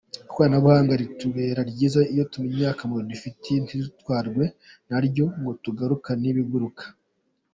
Ikoranabuhanga ritubera ryiza iyo tumenye akamaro ridufitiye ntidutwarwe naryo ngo tugurukane n’ibiguruka.